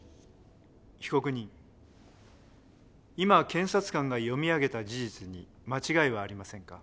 被告人今検察官が読み上げた事実に間違いはありませんか？